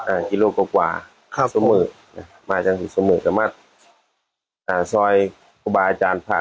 อ่ากิโลกว่าครับสมมือมาจากสิสมมือกับมัดอ่าซอยอาจารย์พระ